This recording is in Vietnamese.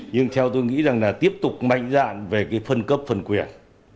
nhưng theo tôi nghĩ rằng là tiếp tục mạnh dạn về cái phân cấp phân quyền